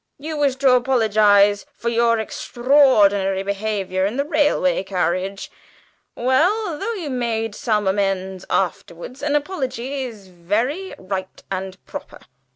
"You wish to apologise for your extraordinary behaviour in the railway carriage? Well, though you made some amends afterwards, an apology is very right and proper.